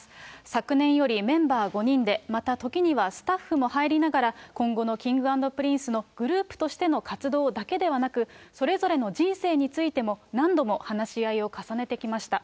昨年より、メンバー５人で、また時にはスタッフも入りながら、今後のＫｉｎｇ＆Ｐｒｉｎｃｅのグループとしての活動だけではなく、それぞれの人生についても何度も、話し合いを重ねてきました。